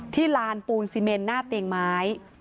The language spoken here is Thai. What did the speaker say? ลานปูนซีเมนหน้าเตียงไม้